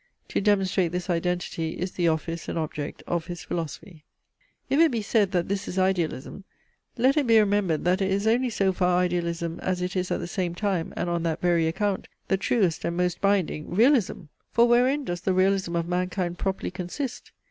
To demonstrate this identity is the office and object of his philosophy. If it be said, that this is idealism, let it be remembered that it is only so far idealism, as it is at the same time, and on that very account, the truest and most binding realism. For wherein does the realism of mankind properly consist?